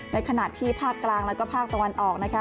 ในขณะที่ภาคกลางแล้วก็ภาคตะวันออกนะคะ